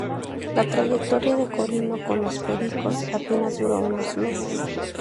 La trayectoria de Corino con los "pericos" apenas duró unos meses.